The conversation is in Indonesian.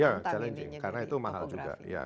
ya challenging karena itu mahal juga